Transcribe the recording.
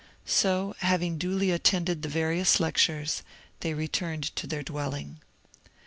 So, having duly attended the various lectures, they returned to their dwelling.